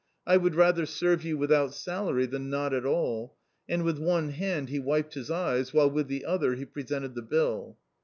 I would rather serve you without salary than not at all," and with one hand he wiped his eyes, while with the other he presented the bill.